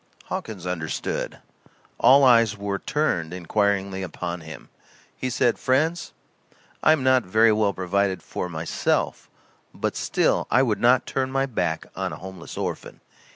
Hawkins understood. All eyes were turned inquiringly upon him. He said: "Friends, I am not very well provided for, myself, but still I would not turn my back on a homeless orphan.